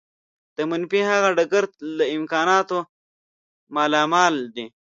د منفي هغه ډګر له امکاناتو مالامال دی.